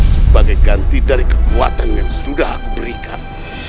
sebagai ganti dari kekuatan yang sudah aku berikan